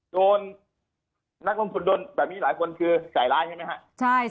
โดนนักลงทุนโดนแบบนี้หลายคนคือใส่ร้ายใช่ไหมครับ